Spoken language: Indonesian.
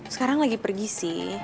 sekarang lagi pergi sih